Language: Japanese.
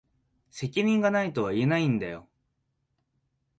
責任が無いとは言えないんだよ。